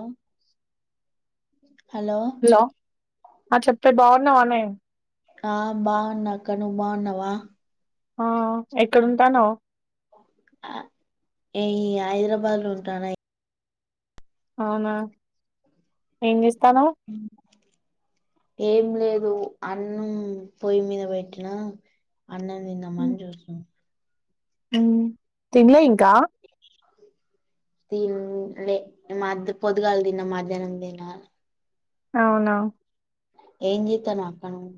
Ohm. Hello. ఆహ్ చెప్తే బాగున్నావన్నే. ఆహ్ బాగున్నా అక్క నువ్వు బాగున్నావా. ఆహ్ ఎక్కడ ఉంటన్నావ్. ఆహ్ ఏయ్ హైదరాబాద్ లో ఉంటాను. అవునా ఏం చేస్. ఏం. లేదు అన్నం పొయ్య మీద పెట్టినా అన్నం తిన్నామని చూసాం మ్ తెల్వదు ఇంక త మాధ పొదు కాాల దిన మధ్యాహ్నం దిన అవునా ఏం జాతనవ్ అక్క నువ్యు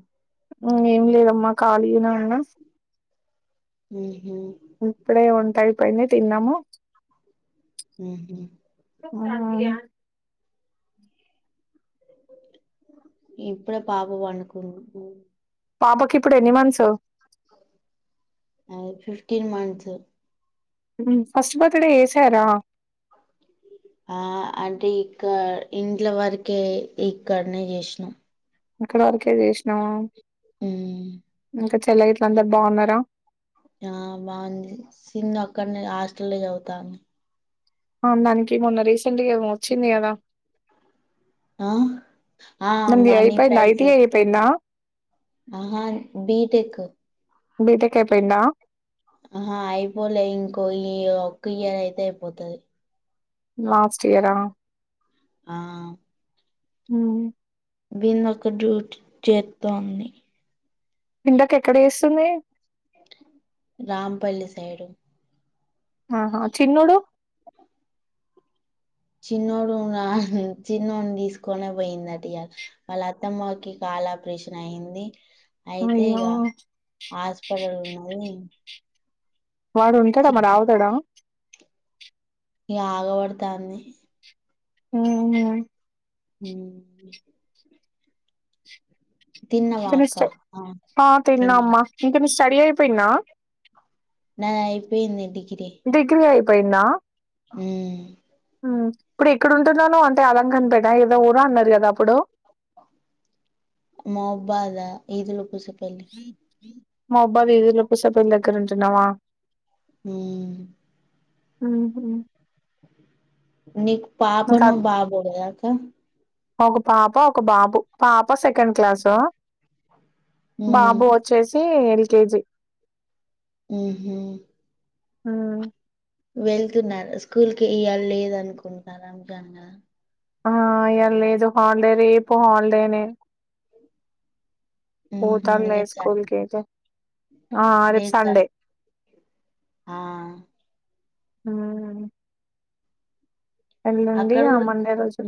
ఏం లేదమ్మా ఖాళీ గానే ఉన్న మ్ ఇప్పుడే ఉంటాయి పైన తిన్నాము ఉహు మ్ ఇప్పుడే పాప పడుకుంది పాపకి ఇప్పుడు ఎన్ని మంత్స్ అ ఫిఫ్టీన్ మంత్స్ మ్ ఫస్ట్ బర్త్డే చే ఆ అంటే ఇక్క ఇంట్ల వరకే ఇక్కడనే చేసినాం ఇక్కడ వరకే చేసినావ మ్ ఇంకా చెల్ల గట్ల అందరు బాగున్నారా ఆ బాగుంది సిందు అక్కడనే హాస్టల్ లొ చదువుతాంది ఆవును దానికి మొన్న రీసెంట్గా ఏవో వచ్చింది కదా ఆ ఆ దానిది మని అయిపోయిందా ప్రైజ ఐటీ అయిపోయిందా ఆహా బిటెక్ బీటెక్ అయిపోయింద ఆహ అయిపోలే ఇంకో ఈ ఒక్క ఇయర్ అయితే అయిపోతది లాస్ట్ ఇయరా ఆ మ్ విన్ ఒక డ్యూట్ చేతోంది ఇందాకా ఎక్కడ చేస్తుంది రాంపల్లి సైడు ఆహా చిన్నోడు చిన్నోడు చిన్నోడు తీసుకనే పోయిందిటు ఇ వాళ్ళ అత్తమ్మకి కాల ఆపరేషన్ అయింది అయితే అయ్యో ఇక హాస్పిటల్ ఉన్నది వాడు చిన్న ఉంటాడమ్మా రావతాడా ఇక ఆగబడతాన్ని ఆ మ్ తిన్నవా అక్క [unintelligible] ఆ తిన్నా తిన్న అమ్మా ఇంకను ఇ స్టడీ అయిపోయిందా నా అయిపోయింది డిగ్రీ పోయింది ఆ ఇప్పుడు ఎక్కడుంటున్నావు నువ్వు అంటే అలంకరణపేట ఏదో ఊర అన్నారు కదా అప్పుడు మాబ్బా అదా ఇలు కుసే ప మా అబ్బాదిదులోపు సభల దగ్గర ఉంటున్నావా అ హ నకు పాపన ఇంకా బాబో కదా అక్క ఒక పాప ఒక బాబు పాప సెకండ్ క్లాసు ఉమ్ బాబు వచ్చేసి ఎల్ కెజి ఆహ హ వెళ్తున్నారు స్కూల్ కి ఇ్యళ లేద అనుకుంట రమజాన్ ఆ ఆ ఇ లేదు హాలిడే రేపు హాలిడేనే ఉహు పోతడులే రేపు స్కూల్ సాటర్డే కైతే ఆ రేపు సండే ఆ ఆ వెళ్ల్ళండి అక్కడ ఆ కూడా మండే రోజు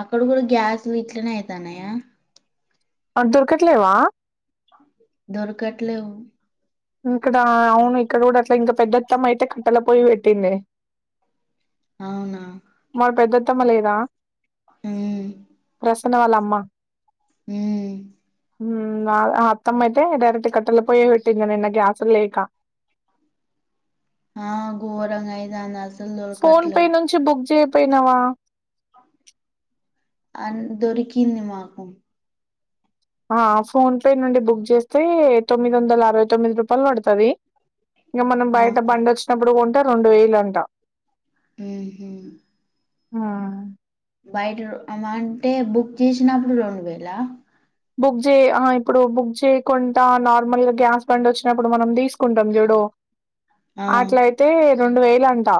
అక్కడ కూడా గ్యాస్లు ఇట్లనే అయితన్నాయా అవును దొరకట్లేవా దొరకట్లే ఇక్కడ అవును ఇక్కడ కూడా అట్లా ఇంకా పెద్దత్తమ్మ అయితే కట్టల పోయి పెట్టింది అవునా మత్తమలేదా హ వాళ్ళ అమ్మ హ హ నా ఆ అత్తమ్మ యితే డైరక్ట్ కట్టెలా పోయిపెట్టింది నను నా గ్యాస్ లేఖ ఆ గో గోరంగా అయింది అసలు ఫోన్ పే దొరకట్లేవు నుంచి బుక్ చే పోనావా దొరికీంది మాకు ఆ ఫోన్ పే నుండి బుక్ చేస్తే తొమ్మిది వందల అరవై తొమ్మిది రూపాయలు పడుతుంది ఇంకా మనం ఆ బయట బండి వచ్చినప్పుడు కొంట రెండు వేలు అంట హ హ ఆ బయట అంటే బుక్ చేసినప్పుడు రెండు వేలా బుక్ చే ఆహా ఇప్పుడు బుక్ చేయకుండా నార్మల్గా గ్యాస్ బండ్ వచ్చినప్పుడు మనం తీసుకుంటాం చూడు ఆ అట్లయితే రొండు వేలు అంటా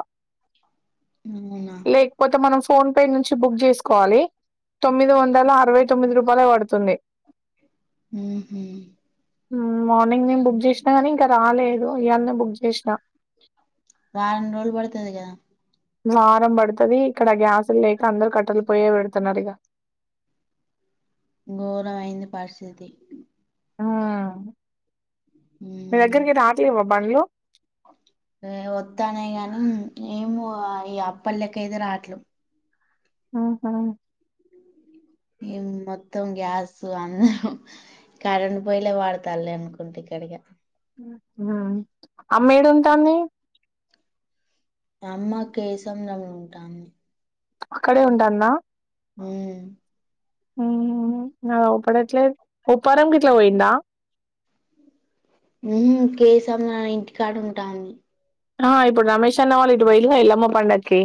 అవునా లేకపోతే మనం ఫోన్ పే నుంచి బుక్ చేసుకోవాలి తొమ్మిది వందల అరవై తొమ్మిది రూపాయల పడుతుంది ఉహు మార్నింగ్ నేను బుక్ చేసినా కాని ఇంకా రాలేదు ఈయల్నే బుక్ చేసినా వారం రోజులు పడుతుంది కదా వారం పడుతది ఇక్కడ గ్యాసులు లేక అందరు కట్టలు పోయే పెడుతున్నారు ఇక ఘోరమైంది పరిస్థితి ఆ మీ దగ్గరికి రాట్లేవా బండ్లు వత్తానే గాని ఏమ ఈ అప్పలక అయితే రాట్లే ఆహా మొత్తం గ్యాస్ అందరం కరెంటు పోయలే వాడతాల అనుకుంటే ఇక్కడిగా అమ్మేడుంటాంది అమ్మ కేేశంద్రంలో ఉంటాంది అక్కడే ఉంటన్న మ్మ్మ్ మ్మ్ మ్మ్ ఆపడట్లేద్ ఉప్పారం గిట్లా పోయిందా ఉ కేశం ఇంటికాడుంటాంది ఆ ఇప్పుడు రమేష్ అన్న వాళ్ళ ఇటు పోయిలుగా ఎల్మ పండక్కి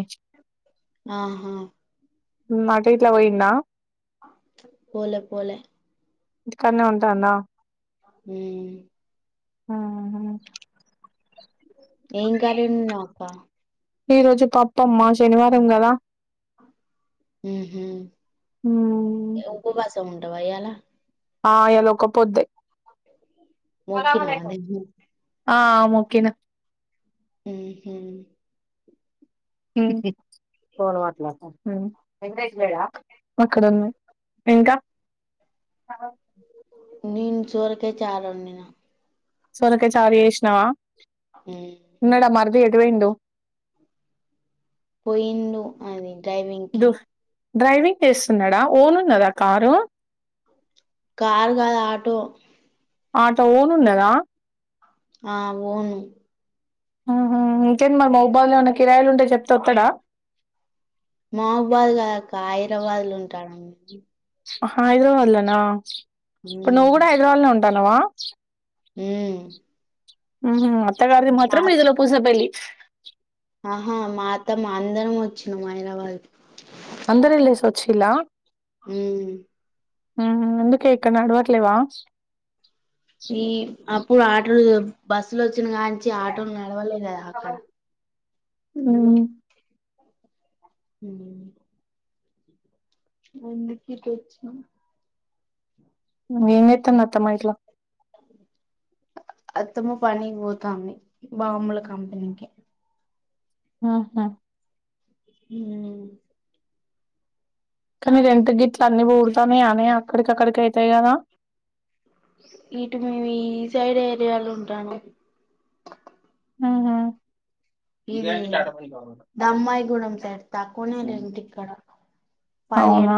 ఆహా అటైట్లా పోయిండా పోలే పోలే ఇంటికాడనే ఉంటాన్న మ్మ్ మ్మహు ఏం కర్రండినావ్ అక్క ఈ రోజు పప్పమ్మా శనివారం కదా మ్మహు ఉమ్. ఉపవాస ఉంట ఇయాల ఆ ఇలా ఒకపోద్దే మోకినా అదే ఆ మొక్కిన మ్మహు మ్మ్ ఎక్కడున్నాడ నీన్ చోరకే చారడినా సొరకాయ్ చారు జేష్ణవ ఉన్నడ మరిది ఎ టు పోయిండు పోయిండు అది డ్రైవింగ్కి డు డ్రైవింగ్ చేస్తున్నాడా ఓనున్నద కారు కార్ కాదు ఆటో ఆటో ఓనున్నదా ఆ ఓను మ్మ్ హ్మ్ ఇంకేంటి మరి మహుబాద్లో ఉన్న కిరాయిలు ఉంటే చెప్తే వత్తడా మహుబాద్ కాదక్క హైదరాబాద్ల ఉంటాడు హైద్రబాద్లనా ఇప్పుడు నువు కూడా హైదరాబాద్ లో ఉన్ టనవా హ్మ్ మ్మ్ హ్మ్ అత్ త్త గారిది మాత్రం ఇదలో పూస పెల్లి ఆహా మా అత్త మాన్ అందరం వచ్చినాం హైదరాబాద్ కి అందరెల్లెసొచ్చిల్ల ఉమ్ మ్మ్ ఎందుకే ఇక్కడ నడవట్లేవా ఈ అప్పుడు ఆటలో బస్సులో వచ్చిన కాన్నుంచి ఆటోలు నడవలే కదా అక్కడ మ్మ్ హ్మ్ ఎందుకిటొచ్చినావ్ నేనెత్తనత్తమ్మ ఇట్లా అత్తమ్మ పనికి పోతాంది బాంబుల కంపెనీకె ఆహా హ్మ్ కానీ రెంటి గిట్లు అన్ని పొడుగుతానే అనీ అక్కడికి అక్కడికి అయితాయి కదా ఇటు మేము ఈ సైడ్ ఏరియాలో ఉంటానామ్ మ్మ్ హ్మ్ ఇది దమ్మాయి కూడ స్యాట్ తకువనే రెంటిక్కడ అవునా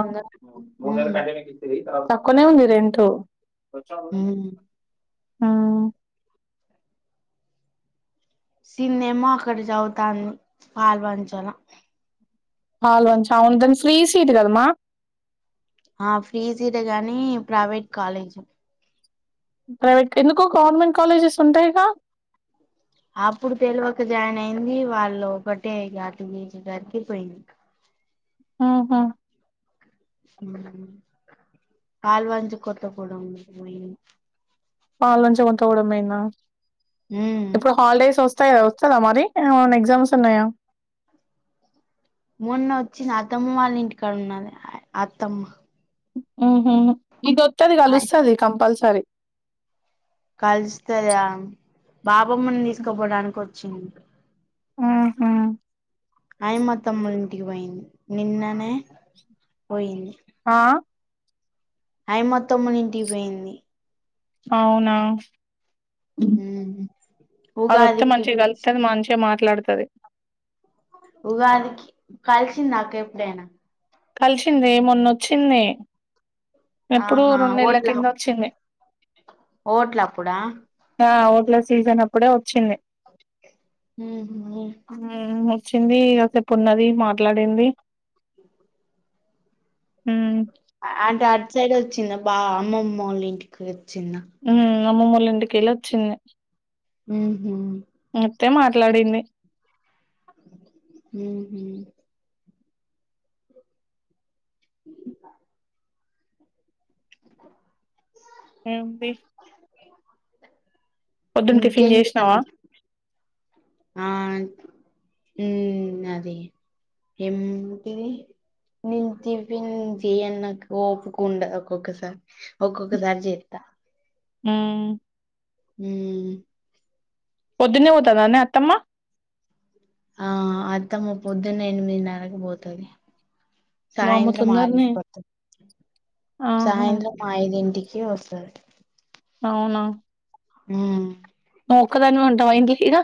ఉమ్ తక్కువనే ఉంది రెంటు సచ్చా ఉమ్ ఆ సన్నేమో అక్కడ చదువుతాంది పాల్వంచల హల్ వన్ అవును దని ఫ్రీ సీట్ కదమ్మా ఆ ఫ్రీ సీటు కాని ప్రైవేట్ కాలేజీ ప్రైవేట్ ఎందుకో గవర్నమెంట్ కాలేజెస్ ఉంటాయిగా అప్పుడు తెలివక జాయిన్ అయింది వాళ్ళు ఒకటే అటి దరికిపోయింది ఆహా కల్వాంచి కొత్త పోడు ఉ మై పాలలంచి కొంత కూడాడమేనా ఉమ్ ఇప్పుడు హాలిడేస్ వస్త వస్తాయిదా వస్తుందా మరి ఎగ్జామ్స్ ఉన్నాయా మొన్న వచ్చి నా అత్తమ్మ వాళ్ళ ఇంటికాడ ఉన్నాల అత్తమ్మ ఆ ఇది ది కలుస్తుంది కంపల్సరీ కలుస్తదా బాబమ్మని తీసుకుపోవడానికి వచ్చింది ఆహ అయిమ అత్తమ్మ ఇంటికి పోయింది నిన్ననే పోయింది ఆ అయిమత్తమ్ము ఇంటికి పోయింది అవునా [unintelligible] ఉమ్ ఉగాదికి మనిష గల్త పిలిచి అది మనుషగా మాత్ర మాట్లాడుతది ఉగాదికి కలిసింది నాక ఎప్పుడైనా కలిసింది మొన్న వచ్చింది ఎప్పుడుూ ఆహా రెండు నెళ్ల కింద వచ్చింది ఓట్లా అపుడ ఇట్ల సీజన్ అప్పుడే వచ్చింది హ మ్మ్ వచ్చింది ఇకసేపు ఉన్నది మాట్లాడింది మ్మ్ అంటే అటు సైడ్ వచ్చింది బా అమ్మమ్మలోఇంటికి చిన్న అమ్మమ్మళ ఇంటికిళ్ళ వచ్చింది ఆ హ వత్తే మాట్లాడింది హ ఇ ఏబ పొద్దున్న టిఫిన్ ఇంకేం చేసినావా చేతనవ్ ఆ అదే ఏంటిది నేను టిఫిన్ చెయను ఓపిక ఉండదు ఒక్కొక్కసారి ఒక్కొక్క సార్జెత్త మ్మ్ మ్మహ్ పొద్దునే పోతధానే అత్తమ్మ ఆ అత్తమ్ము పొద్దున్న ఎనిమిదిన్నరకి పోతది వామ్మో సాయంత్రం తొందరనే ఆరింటికి ఒత్తది ఆహా సాయంత్రం ఐదింటికి కి వస్తది అవునా మ్మహ్ నువ్ ఒక్కదానివే ఉంటవా ఇంట్ల ఈడ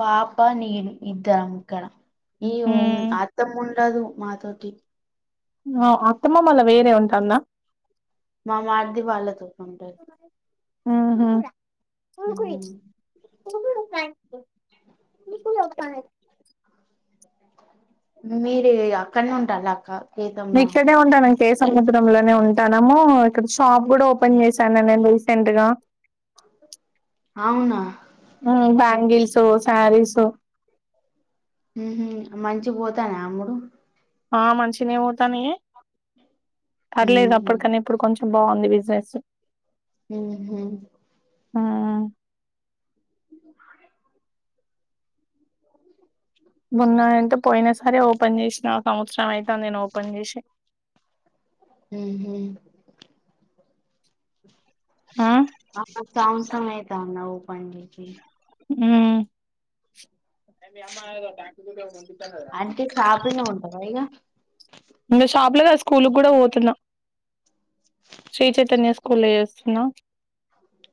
పాప నీను ఇద్దరం ఇక్కడ ఈ మ్మ్ అత్తమ్ముంట్ ఉండదు మాతోటి అత్తమ్మమలా వేరే ఉంటాందా మామార్ది వాళ్ళతో ఉంటుది మ్మహు తకు తగు మీకు ఒఖనే మీరు అక్కడనే ఉంటాల అక్క నే కేతంలా ఇక్కడినే ఉంటానే ే సముద్ర లోనే ఉంటానము ఇక్కడ షాప్ కూడా ఓపెన్ చేశాను నేను రీసెంట్ గా అవునా ంగల్ సో సారీ సో మ్మహు మంచిగ పోతానే అమ్ముడు ఆ మంచినే పోతన్నాయే పర్లేదు ఉహు అప్పటికన్న ఇప్పుడు కొంచెం బాగుంది బిజినెస్ మ్మహు మ్మహ్ మొన్న అంట పోయిన సరే ఓపెన్ చేసిన సంవత్సరం అయితే నేను ఓపెన్ చేసి మ్మహు ఆ సంవత్సరమైతండా పడించి మ్మ్ అ మీ అమ్మకు ద ఉప్పరా అంటే షాపుల్నే ఉంటవా ఇగ ముందు షాపుల్ స్కూల్ కూడా పోతున్నా శ్రీచైతన్య స్కూలేస్. [unintelligible]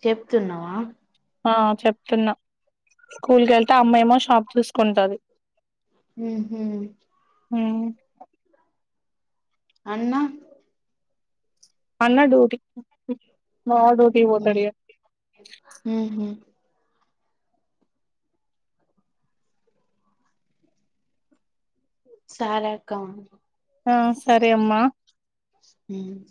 చెప్తున్నావా!. ఆ చెప్తున్నా, స్కూల్ కెళ్తే అమ్మెమో షాప్ చూసుకుంటాది. ఊహు. ఊ. అన్నా!? అన్నా డూటి. మావ డూటీ పోతడిగా. ఉహు సారాక్కా. ఆ సరే అమ్మా. హ్మ్.